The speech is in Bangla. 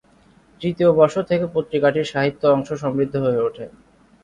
তৃতীয় বর্ষ থেকে পত্রিকাটির সাহিত্য অংশ সমৃদ্ধ হয়ে ওঠে।